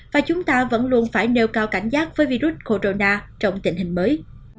và chúng ta vẫn luôn phải nêu cao cảnh giác với virus corona trong tình hình mới